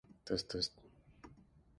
Ah, papa, you started!